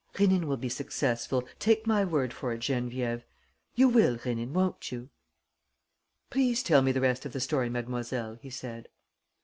"Rénine will be successful, take my word for it, Geneviève. You will, Rénine, won't you?" "Please tell me the rest of the story, mademoiselle," he said.